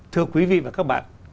thưa quý vị và các bạn